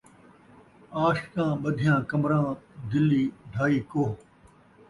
عاشقاں ٻدھیاں کمراں ، دلی ڈھائی کوہ